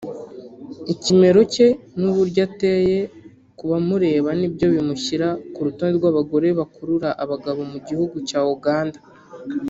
ikimero cye n’uburyo ateye kubamureba nibyo bimushyira kutonde rw’abagore bakurura abagabo mugihu cya Uganda